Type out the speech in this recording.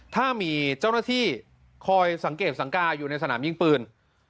ถ้ามีเจ้าหน้าที่คอยสังเกตสังกาอยู่ในสนามยิงปืน